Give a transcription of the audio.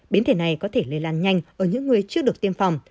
biến thể này có thể lây lan nhanh ở những người chưa được tiêm phòng